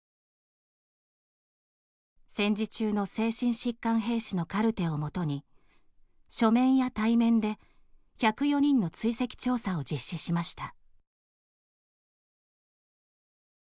戦時中の精神疾患兵士のカルテをもとに書面や対面で１０４人の追跡調査を実施しました。